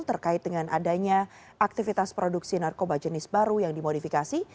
terkait dengan adanya aktivitas produksi narkoba jenis baru yang dimodifikasi